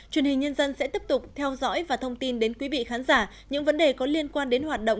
truyền hình nhân dân sẽ tiếp tục theo dõi và thông tin đến quý vị khán giả những vấn đề có liên quan đến hoạt động